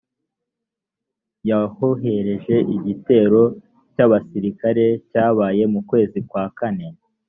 yahohereje igitero cy abasirikare cyabaye mu kwezi kwa kane